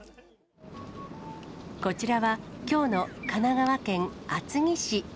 こちらは、きょうの神奈川県厚木市。